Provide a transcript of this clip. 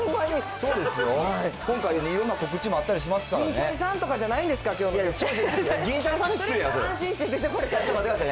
そうですよ。今回いろんな告知もあったりしますからね。